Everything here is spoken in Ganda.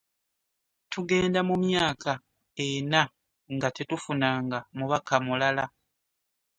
Tugenda mu myaka ena nga tetufunanga mubaka mulala.